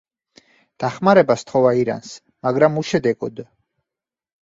დახმარება სთხოვა ირანს, მაგრამ უშედეგოდ.